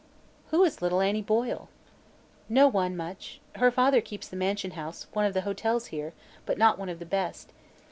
"Who is little Annie Boyle?" "No one much. Her father keeps the Mansion House, one of the hotels here, but not one of the best.